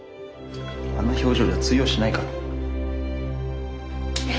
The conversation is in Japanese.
あんな表情じゃ通用しないから。